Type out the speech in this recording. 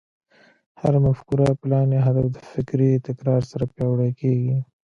هره مفکوره، پلان، يا هدف د فکري تکرار سره پياوړی کېږي.